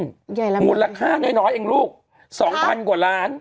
ใหญ่แล้วมูลค่าน้อยเองลูก๒๐๐๐กว่าล้าน